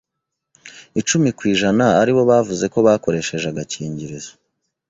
icumi kwijana aribo bavuze ko bakoresheje agakingirizo.